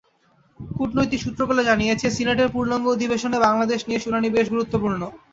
কূটনৈতিক সূত্রগুলো জানিয়েছে, সিনেটের পূর্ণাঙ্গ অধিবেশনে বাংলাদেশ নিয়ে শুনানি বেশ গুরুত্বপূর্ণ।